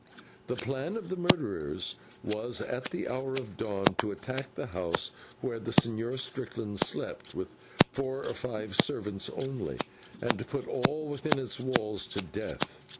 The plan of the murderers was at the hour of dawn to attack the house where the Señor Strickland slept with four or five servants only, and to put all within its walls to death.